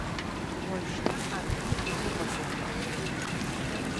Уажәшьҭа акгьы изыҟаҵом.